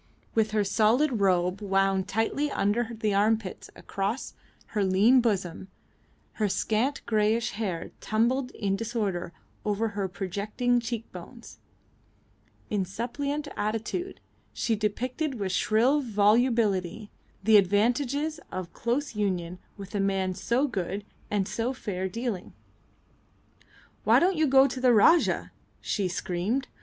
With her soiled robe wound tightly under the armpits across her lean bosom, her scant grayish hair tumbled in disorder over her projecting cheek bones, in suppliant attitude, she depicted with shrill volubility the advantages of close union with a man so good and so fair dealing. "Why don't you go to the Rajah?" she screamed.